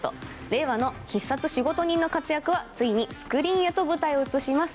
令和の必殺仕事人の活躍はついにスクリーンへと舞台を移します。